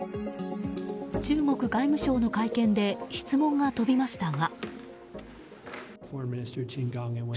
中国外務省の会見で質問が飛びましたが。